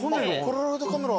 ポラロイドカメラ。